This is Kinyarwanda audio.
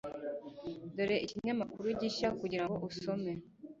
Dore ikinyamakuru gishya kugirango usome.